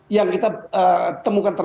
yang kita temukan tadi itu yang kita temukan tadi